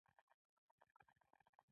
بل په زابل نشته .